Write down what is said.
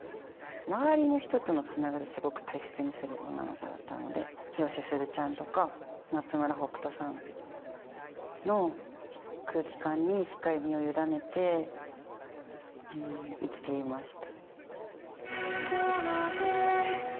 周りの人とのつながりをすごく大切にする女の子だったので、広瀬すずちゃんとか、松村北斗さんの空気感にしっかり身を委ねて生きていました。